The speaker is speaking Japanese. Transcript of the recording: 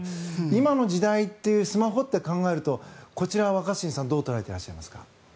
今の時代っていうスマホって考えるとこちらは若新さんどう捉えてらっしゃいますか。